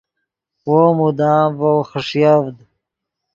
وو مدام ڤؤ خݰیڤد